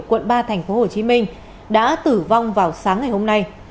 quận ba tp hcm đã tử vong vào sáng ngày hôm nay